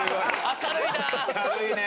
明るいね。